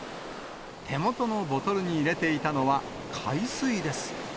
手元のボトルに入れていたのは海水です。